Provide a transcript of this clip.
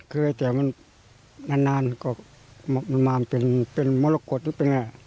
เคยแต่มันนานมันมาเป็นมรกฎรู้เป็นไง